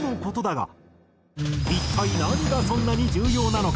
一体何がそんなに重要なのか？